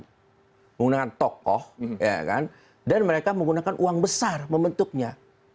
menggunakan tokoh dan mereka menggunakan uang besar membentuknya